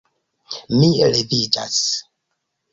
Mi leviĝas.